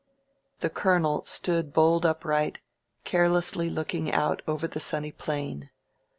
The Colonel stood bolt upright, carelessly looking out over the sunny plain.